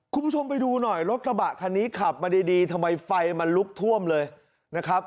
คุณผู้ชมไปดูหน่อยรถกระบะคันนี้ขับมาดีทำไมไฟมันลุกท่วมเลยนะครับ